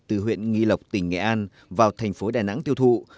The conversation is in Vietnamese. từ huyện nghi lộc tỉnh nghệ an vào thành phố đà nẵng tiêu thụ